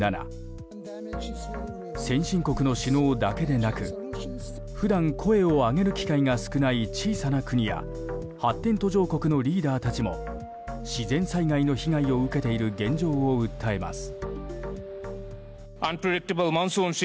先進国の首脳だけでなく普段、声を上げる機会の少ない小さな国や発展途上国のリーダーたちも自然災害の被害を受けている現状を訴えます。